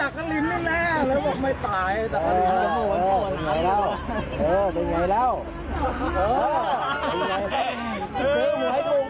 ไอ้ตักริมแน่แล้วหละบอกไอ้ตักริม